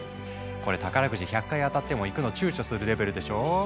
これ宝くじ１００回当たっても行くの躊躇するレベルでしょう。